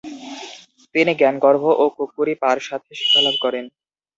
তিনি জ্ঞানগর্ভ ও কুক্কুরী পার সাথে শিক্ষালাভ করেন।